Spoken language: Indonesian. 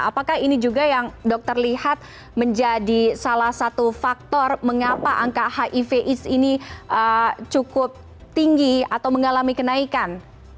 apakah ini juga yang dokter lihat menjadi salah satu faktor mengapa angka hiv aids ini cukup tinggi atau mengalami kenaikan